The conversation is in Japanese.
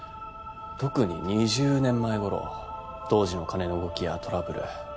特に２０年前頃当時の金の動きやトラブル